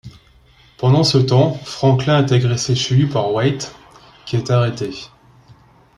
Pendant ce temps, Franklin est agressé chez lui par Waite, qui est arrêtée.